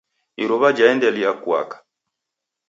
iruw'a jaendelia kuaka.